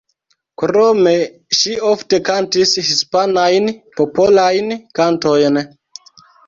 Krome, ŝi ofte kantis hispanajn popolajn kantojn.